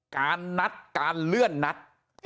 การนัดการเลื่อนนัด